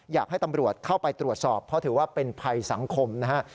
อยากให้ตำรวจเข้าไปตรวจสอบเพราะถือว่าเป็นภัยสังคมนะฮะ